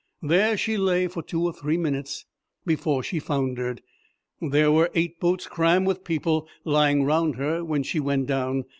There she lay for two or three minutes before she foundered. There were eight boats crammed with people lying round her when she went down.